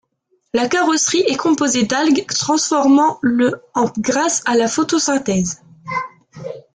La carrosserie est composée d'algues transformant le en grâce à la photosynthèse.